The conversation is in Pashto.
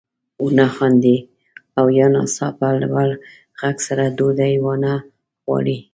ونه خاندي او یا ناڅاپه لوړ غږ سره ډوډۍ وانه غواړي.